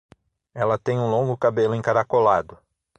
Ela tem um longo cabelo encaracolado.